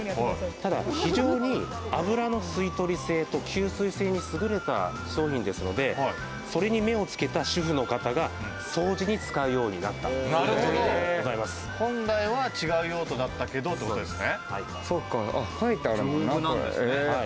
ただ非常に油の吸い取り性と吸水性にすぐれた商品ですので、それに目をつけた主婦の方が本来は違う用途だったけどっていうことですね？